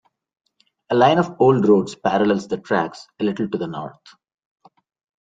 A line of old roads parallels the tracks, a little to the north.